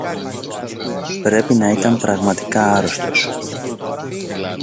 Πρέπει να ήταν πραγματικά άρρωστος